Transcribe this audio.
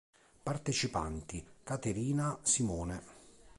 Partecipanti: Kateryna, Simone.